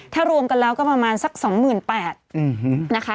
ถ้ารวมกันแล้วก็ประมาณสัก๒๘๐๐นะคะ